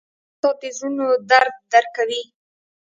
استاد د زړونو درد درک کوي.